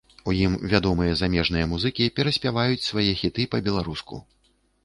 У ім вядомыя замежныя музыкі пераспяваюць свае хіты па-беларуску.